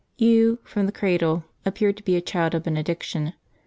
Hugh, from the cradle, appeared to be a child of benediction.